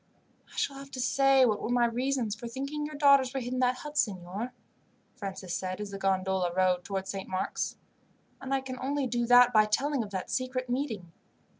"I shall have to say what were my reasons for thinking your daughters were hid in that hut, signor," Francis said as the gondola rowed towards Saint Mark's; "and I can only do that by telling of that secret meeting.